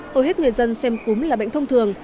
hầu hết người dân xem cúm là bệnh thông thường